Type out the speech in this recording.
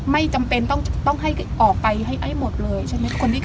ไม่จำเป็นต้องให้ออกไปให้หมดเลยใช่ไหม